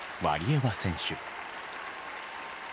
ワリエワ選手。